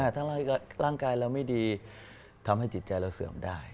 ถ้าร่างกายเราไม่ดีทำให้จิตใจเราเสื่อมได้